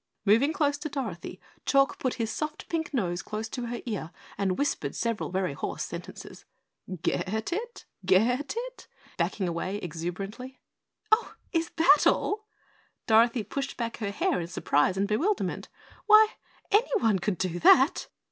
Moving close to Dorothy, Chalk put his soft pink nose close to her ear and whispered several very hoarse sentences. "Get it? Get it?" he demanded, backing away exuberantly. "Oh is THAT all?" Dorothy pushed back her hair in surprise and bewilderment, "why anyone could do that!"